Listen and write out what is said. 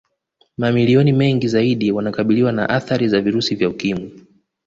Mamilioni mengi zaidi wanakabiliwa na athari za virusi vya Ukimwi